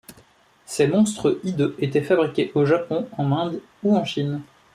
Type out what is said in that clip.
Ces monstres hideux étaient fabriqués au Japon, en Inde ou en Chine.